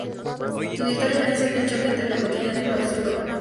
Sus historias nacen del choque entre lo cotidiano y lo absurdo.